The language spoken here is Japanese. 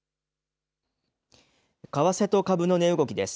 為替と株の値動きです。